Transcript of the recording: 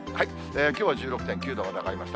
きょうは１６．９度まで上がりました。